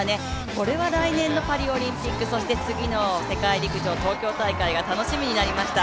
これは来年のパリオリンピック、そして次の世界陸上東京大会が楽しみになりました。